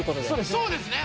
そうですね